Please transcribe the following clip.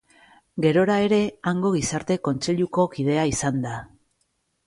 Gerora ere, hango gizarte kontseiluko kidea izan da.